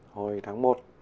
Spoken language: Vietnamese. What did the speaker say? hồi tháng một